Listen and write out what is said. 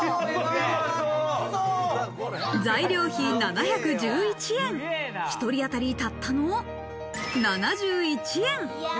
材料費７１１円、１人当たりたったの７１円。